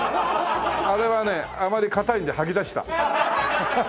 あれはねあまり硬いんで吐き出した。